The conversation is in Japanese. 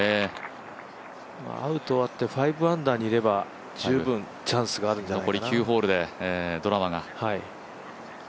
アウト終わって５アンダーにいれば十分チャンスがあるんじゃないかな。